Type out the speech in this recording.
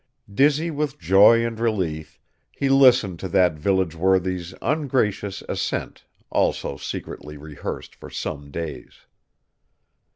Dizzy with joy and relief he listened to that village worthy's ungracious assent also secretly rehearsed for some days.